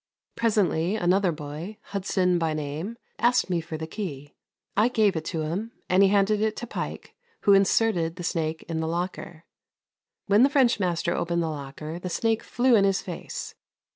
Presently another boy, Hudson by name, asked me for the key. I gave it to him, and he handed it to Pike, who inserted the snake in the locker. When the French master opened the locker the snake flew in his face.